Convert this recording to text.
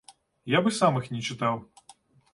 Я б і сам іх не чытаў.